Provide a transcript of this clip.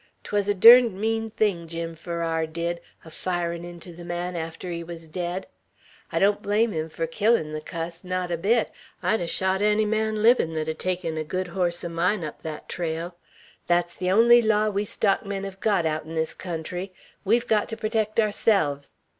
'Twas a derned mean thing Jim Farrar did, a firin' into the man after he was dead. I don't blame him for killin' the cuss, not a bit; I'd have shot any man livin' that 'ad taken a good horse o' mine up that trail. That's the only law we stock men've got out in this country. We've got to protect ourselves.